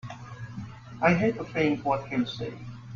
I hate to think what he'll say!